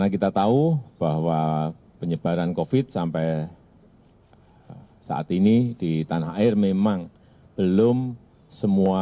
kita tahu bahwa penyebaran covid sampai saat ini di tanah air memang belum semua